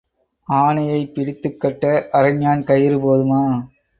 ஆனையைப் பிடித்துக் கட்ட அரை ஞாண் கயிறு போதுமா?